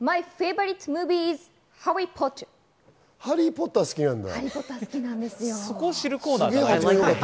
ハリーポッター好きなんだ。